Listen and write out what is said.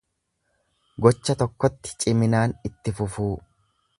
Gocha tokkotti ciminaan itti fufuu.